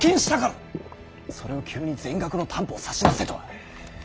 それを急に全額の担保を差し出せとは。